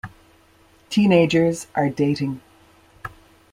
Teenagers are dating.